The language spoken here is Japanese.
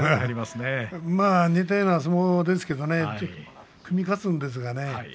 似たような相撲ですけどね、組み勝つんですよね。